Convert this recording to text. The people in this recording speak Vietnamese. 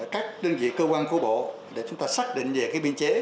các đơn vị cơ quan của bộ để chúng ta xác định về biên chế